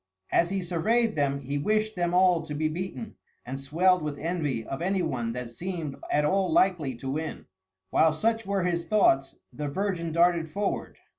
As he surveyed them he wished them all to be beaten, and swelled with envy of anyone that seemed at all likely to win. While such were his thoughts, the virgin darted forward.